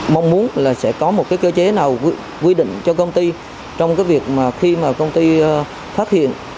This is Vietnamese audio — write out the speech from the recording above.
mong muốn là sẽ có một cơ chế nào quy định cho công ty trong việc khi công ty phát hiện